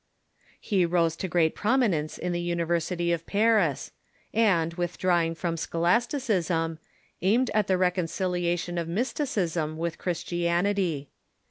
He rose to great prominence in the Uni versity of Paris, and, withdrawing from scholasticism, Gerson ., i • fur ^•• i /^i •>.• aimed at the reconciliation ot Mysticism with Christian ity.